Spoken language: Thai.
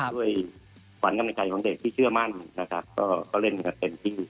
ด้วยฝันนำในชัยของเด็กที่เชื่อมั่นก็เล่นเต็มที่